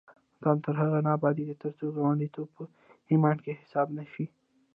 افغانستان تر هغو نه ابادیږي، ترڅو ګاونډیتوب په ایمان کې حساب نشي.